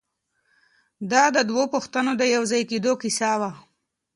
دا د دوو پښتنو د یو ځای کېدو کیسه وه.